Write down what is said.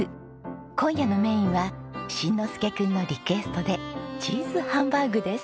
今夜のメインは心乃甫君のリクエストでチーズハンバーグです。